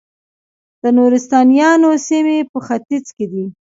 د نورستانیانو سیمې په ختیځ کې دي